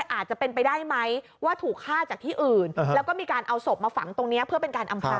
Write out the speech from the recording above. อาจจะเป็นไปได้ไหมว่าถูกฆ่าจากที่อื่นแล้วก็มีการเอาศพมาฝังตรงนี้เพื่อเป็นการอำพลาง